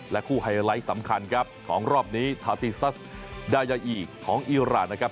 และคู่ไฮไลท์สำคัญของรอบนี้ทาธิซัสดายายีของอิราต